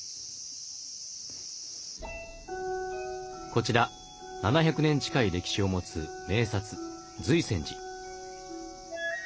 こちら７００年近い歴史を持つ名刹瑞泉寺。